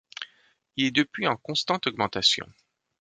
Il est depuis en constante augmentation.